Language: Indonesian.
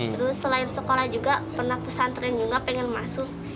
terus selain sekolah juga pernah pesantren juga pengen masuk